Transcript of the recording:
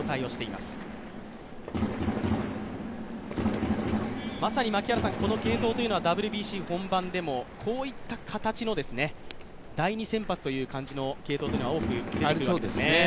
まさに、この継投というのはＷＢＣ本番でもこういった形の第２先発という感じの継投っていうのは多くあるようですね。